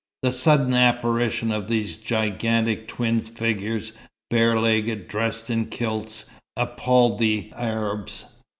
The sudden apparition of these gigantic twin figures, bare legged, dressed in kilts, appalled the Arabs.